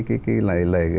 cái lầy lầy